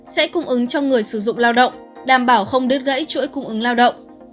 sẽ cung ứng cho người sử dụng lao động đảm bảo không đứt gãy chuỗi cung ứng lao động